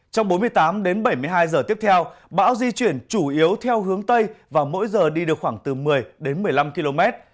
trong bốn mươi tám đến bảy mươi hai giờ tiếp theo bão di chuyển chủ yếu theo hướng tây và mỗi giờ đi được khoảng từ một mươi đến một mươi năm km